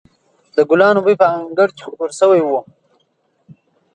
د ګلانو بوی په انګړ کې خپور شوی و.